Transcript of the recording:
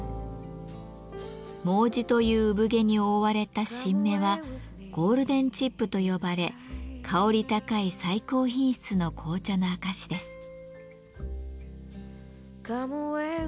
「毛茸」という産毛に覆われた新芽はゴールデンチップと呼ばれ香り高い最高品質の紅茶の証しです。